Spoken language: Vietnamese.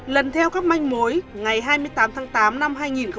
lần theo các manh mối ngày hai mươi tám tháng tám năm hai nghìn hai mươi ba